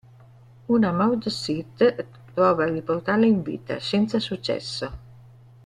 Una Mord-sith prova a riportarla in vita, senza successo.